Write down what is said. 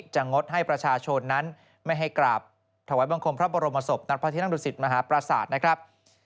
งดให้ประชาชนนั้นไม่ให้กราบถวายบังคมพระบรมศพนัดพระที่นั่งดุสิตมหาปราศาสตร์นะครับ